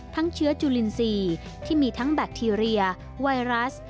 เชื้อจุลินทรีย์ที่มีทั้งแบคทีเรียไวรัส